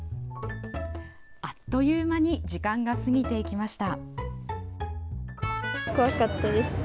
あっという間に時間が過ぎていきました。